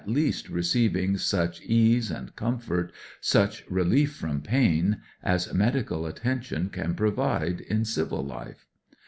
KNOWS least receiving such ease and comfort, such relief from pain, as medical attention can provide in civil life.